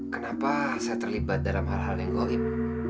kenapa saya terlibat dalam hal hal yang goib